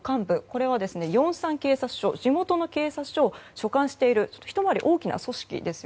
これはヨンサン警察署地元の警察署を所管しているひと回り大きな組織です。